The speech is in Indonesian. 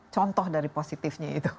contoh dari positifnya itu